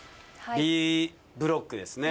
Ｂブロックです。